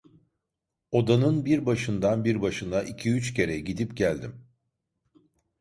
Odanın bir başından bir başına iki üç kere gidip geldim.